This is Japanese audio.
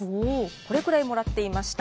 これくらいもらっていました。